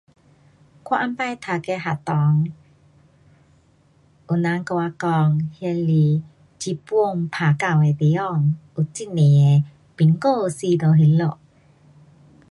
我以前读的学堂，有人给我讲那是日本打到的地方，很多的兵哥死在那里。